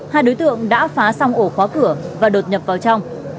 hai đối tượng đã phá xong ổ khóa cửa và đột nhập vào trong